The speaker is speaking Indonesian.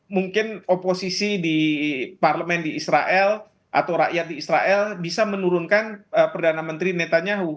mungkin oposisi di parlemen di israel atau rakyat di israel bisa menurunkan perdana menteri netanyahu